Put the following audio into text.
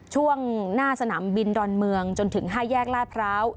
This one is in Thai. ช่วงหน้าสนามบินดอนเมืองจนถึง๕แยกลาดพร้าว